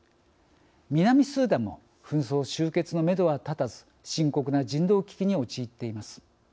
南スーダンも紛争終結のめどは立たず深刻な人道危機に陥っています。